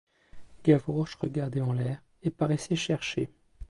Gavroche regardait en l’air, et paraissait chercher.